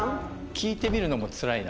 聞いてみるのもつらいな。